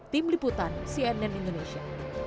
tim liputan cnn indonesia